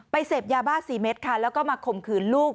เสพยาบ้า๔เมตรค่ะแล้วก็มาข่มขืนลูก